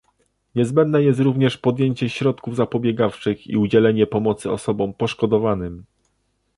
Niezbędne jest również podjęcie środków zapobiegawczych i udzielenie pomocy osobom poszkodowanym